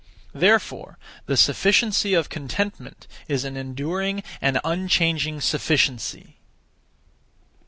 Therefore the sufficiency of contentment is an enduring and unchanging sufficiency.